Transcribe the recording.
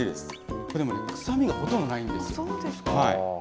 これ、臭みがほとんどないんですよ。